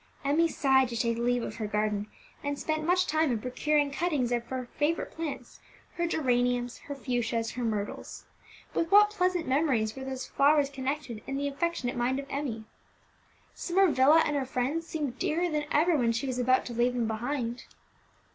Emmie sighed to take leave of her garden, and spent much time in procuring cuttings from her favourite plants, her geraniums, her fuchsias, her myrtles. With what pleasant memories were those flowers connected in the affectionate mind of Emmie! Summer Villa and her friends seemed dearer than ever when she was about to leave them behind.